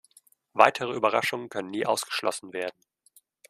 Weitere Überraschungen können nie ausgeschlossen werden.